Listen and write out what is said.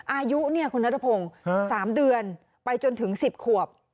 อายุเนี่ยคุณนัทพงศ์๓เดือนไปจนถึง๑๐ขวบ